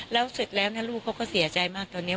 แล้วเสร็จแล้วนะลูกเขาก็เสียใจมากตอนนี้